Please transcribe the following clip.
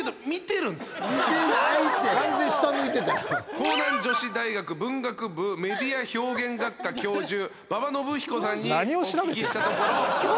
甲南女子大学文学部メディア表現学科教授馬場伸彦さんに何を調べてんの？